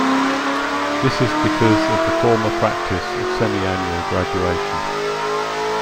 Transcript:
This is because of the former practice of semiannual graduation.